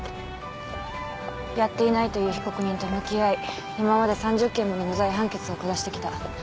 やっていないという被告人と向き合い今まで３０件もの無罪判決を下してきた。